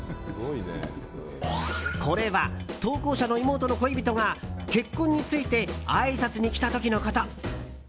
これは投稿者の妹の恋人が結婚についてあいさつに来た時のこと。